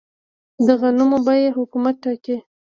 د غنمو بیه حکومت ټاکي؟